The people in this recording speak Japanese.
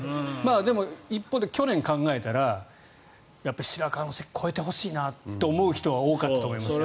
でも、一方去年を考えたらやっぱり白河の関を越えてほしいなと思う人は多かったと思いますよ。